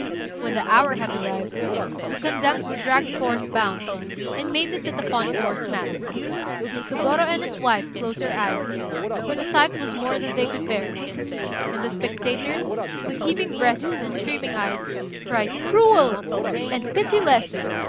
When the hour had arrived, the condemned were dragged forth bound, and made to sit upon coarse mats. Sôgorô and his wife closed their eyes, for the sight was more than they could bear; and the spectators, with heaving breasts and streaming eyes, cried "Cruel!" and "Pitiless!"